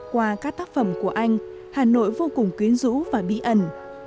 qua các tác phẩm của anh hà nội vô cùng quyến rũ và bí ẩn